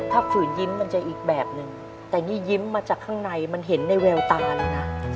ถ้าฝืนยิ้มมันจะอีกแบบนึงแต่นี่ยิ้มมาจากข้างในมันเห็นในแววตาแล้วนะ